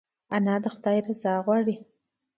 انا د خدای رضا غواړي